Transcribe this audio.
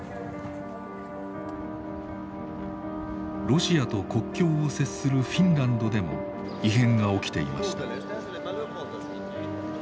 ロシアと国境を接するフィンランドでも異変が起きていました。